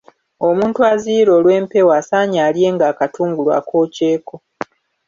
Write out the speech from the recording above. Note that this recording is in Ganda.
Omuntu aziyira olw'empewo asaanye alyenga akatungulu akookyeko.